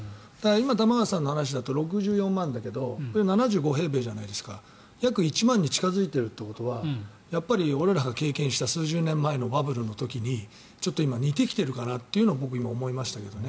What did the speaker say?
今、玉川さんの話だと６４万円だけどこれ７５平米じゃないですか約１万に近付いているということはやっぱり俺らが経験した数十年前のバブルの時に似てきているかなと今、思いましたけど。